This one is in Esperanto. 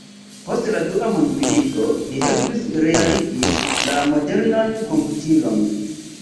Post la dua mondmilito li helpis realigi la modernan komputilon.